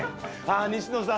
西野さん。